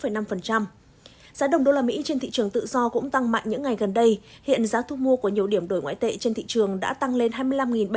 giá đồng đô la mỹ trên thị trường tự do cũng tăng mạnh những ngày gần đây hiện giá thu mua của nhiều điểm đổi ngoại tệ trên thị trường đã tăng lên hai mươi năm bảy trăm tám mươi đồng